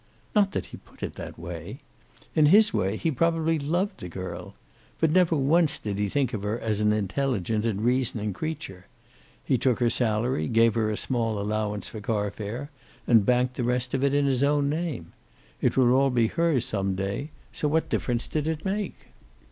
Not that he put it that way. In his way he probably loved the girl. But never once did he think of her as an intelligent and reasoning creature. He took her salary, gave her a small allowance for car fare, and banked the rest of it in his own name. It would all be hers some day, so what difference did it make?